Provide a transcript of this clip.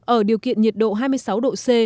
ở điều kiện nhiệt độ hai mươi sáu độ c